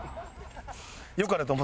よかれと思って。